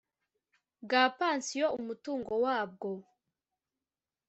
bwa pansiyo umutungo wabwo